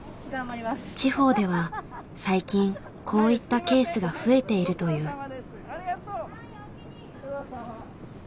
地方では最近こういったケースが増えているという。